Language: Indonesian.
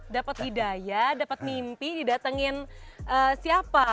dapat budaya dapat mimpi didatengin siapa